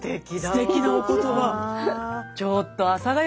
すてきなお言葉。